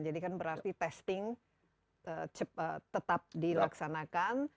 jadi kan berarti testing tetap dilaksanakan